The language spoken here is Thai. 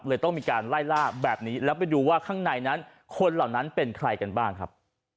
ต้องมีการไล่ล่าแบบนี้แล้วไปดูว่าข้างในนั้นคนเหล่านั้นเป็นใครกันบ้างครับ